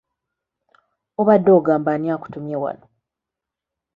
Obadde ogamba ani akutumye wano?